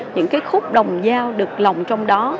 những cái khúc đồng giao được lòng trong đó